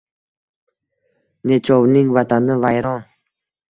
Nechovning vatani vayron.